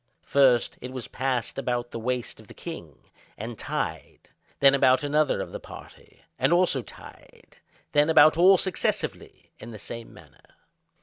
First, it was passed about the waist of the king, and tied; then about another of the party, and also tied; then about all successively, in the same manner.